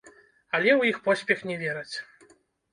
Але ў іх поспех не вераць.